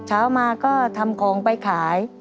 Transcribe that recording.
เช้ามาก็ทำของไปขาย